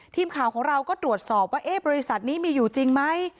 ทีมข่าวของเราก็ตรวจสอบว่าบริษัทนี้มีอยู่จริงไหม